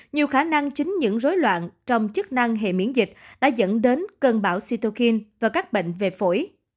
nhiều khả năng chính những rối loạn trong chức năng hệ miễn dịch đã dẫn đến cơn bão sitokin và các bệnh về phổi